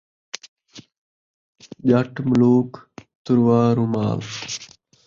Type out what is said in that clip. ڄٹ ملوک ، ترُوا رومال